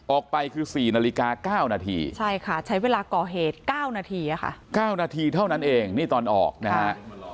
ออกไปคือ๔นาฬิกา๙นาทีใช่ค่ะใช้เวลาก่อเหตุ๙นาทีค่ะ๙นาทีเท่านั้นเองนี่ตอนออกนะฮะ